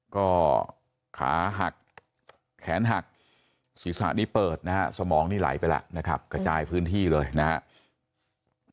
ก็ขาหักแขนหักศิษฐานที่เปิดนะฮะสมองนี่ไหลไปละนะฮะกระจายพื้นที่เลยนะฮะ